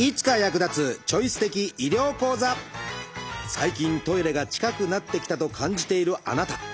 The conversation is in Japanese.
最近トイレが近くなってきたと感じているあなた。